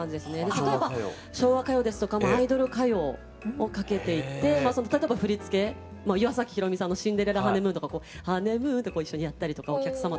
例えば昭和歌謡ですとかアイドル歌謡をかけていて例えば振り付け岩崎宏美さんの「シンデレラ・ハネムーン」とか「ハネムーン」って一緒にやったりとかお客様と。